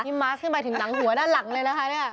นี่มาร์คขึ้นไปถึงหัวด้านหลังเลยนะคะ